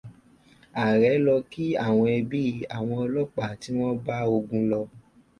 Ààre lọ kí àwọn ẹbí àwọn ọlọ́pàá tí wọ́n bá ogun lọ.